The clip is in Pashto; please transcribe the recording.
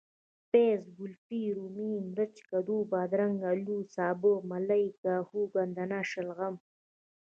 پیاز ،ګلفي ،رومي ،مرچ ،کدو ،بادرنګ ،الو ،سابه ،ملۍ ،کاهو ،ګندنه ،شلغم